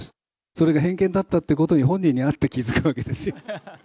それが偏見だったことに、本人に会って気付くわけですよ。